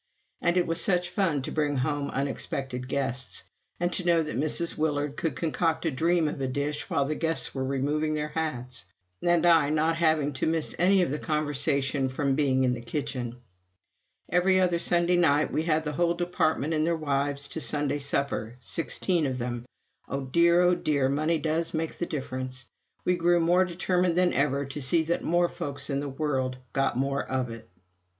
And it was such fun to bring home unexpected guests, and to know that Mrs. Willard could concoct a dream of a dish while the guests were removing their hats; and I not having to miss any of the conversation from being in the kitchen. Every other Sunday night we had the whole Department and their wives to Sunday supper sixteen of them. Oh dear, oh dear, money does make a difference. We grew more determined than ever to see that more folk in the world got more of it.